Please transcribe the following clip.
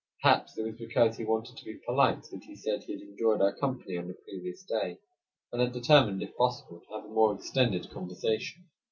Perhaps it was because he wanted to be polite that he said he had enjoyed our company on the previous day, and had determined, if possible, to have a more extended conversation.